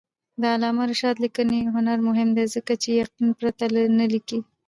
د علامه رشاد لیکنی هنر مهم دی ځکه چې یقین پرته نه لیکي.